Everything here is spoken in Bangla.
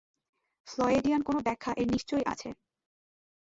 ফ্লয়েডিয়ান কোনো ব্যাখ্যা এর নিশ্চয়ই আছে।